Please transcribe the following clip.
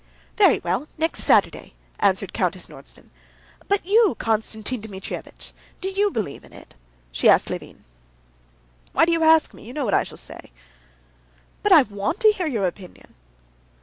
"Very well, next Saturday," answered Countess Nordston. "But you, Konstantin Dmitrievitch, do you believe in it?" she asked Levin. "Why do you ask me? You know what I shall say." "But I want to hear your opinion."